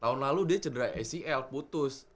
tahun lalu dia cedera acl putus